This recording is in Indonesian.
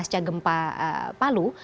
pasca gempa palu